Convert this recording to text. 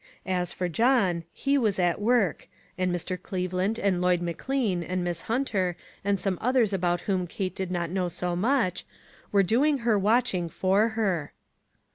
As for John, he was at work, and Mr. Cleve land, and Lloyd McLean, and Miss Hunter, and some others about whom Kate did not know so much, were doing her watching for her.